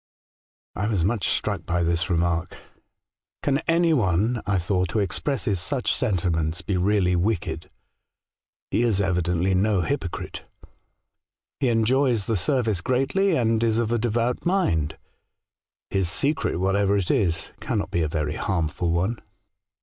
" I was much struck by this remark. ' Can any one, I thought, who expresses such senti ments be really wicked ? He is evidently no hypocrite. He enjoys the service greatly, and is of a devout mind. His secret, whatever it is, cannot be a very harmful one.'